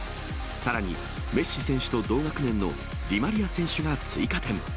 さらに、メッシ選手と同学年のディ・マリア選手が追加点。